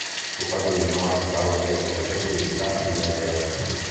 Suo padrino è il paroliere e librettista Ira Gershwin.